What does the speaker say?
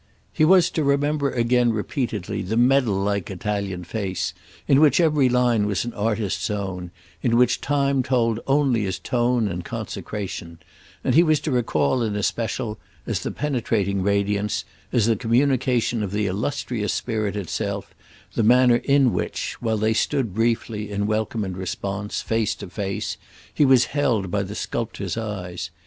He was to remember again repeatedly the medal like Italian face, in which every line was an artist's own, in which time told only as tone and consecration; and he was to recall in especial, as the penetrating radiance, as the communication of the illustrious spirit itself, the manner in which, while they stood briefly, in welcome and response, face to face, he was held by the sculptor's eyes.